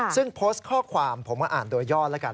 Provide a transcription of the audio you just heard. ซึ่งโพสต์ข้อความผมมาอ่านโดยย่อแล้วกัน